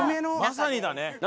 まさにだね。